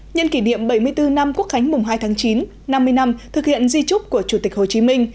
nhân kỷ niệm bảy mươi bốn năm quốc khánh mùng hai tháng chín năm mươi năm thực hiện di trúc của chủ tịch hồ chí minh